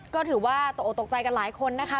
ก็ถือว่าตกออกตกใจกันหลายคนนะคะ